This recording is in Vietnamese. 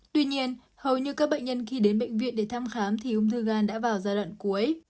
tuy nhiên hầu như các bệnh nhân khi đến bệnh viện để thăm khám thì ung thư gan đã vào giai đoạn cuối